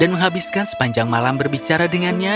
dan menghabiskan sepanjang malam berbicara dengannya